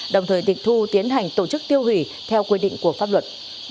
đồng thời tịch thu tiến hành tổ chức tiêu hủy theo quy định của pháp luật